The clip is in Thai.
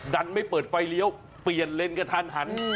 ดันไม่เปิดไฟเลี้ยวเปลี่ยนเลนเกือบทานหัน